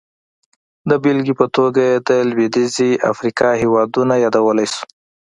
د بېلګې په توګه یې د لوېدیځې افریقا هېوادونه یادولی شو.